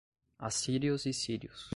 Assírios e sírios